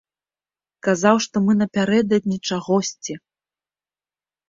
Казаў, што мы напярэдадні чагосьці.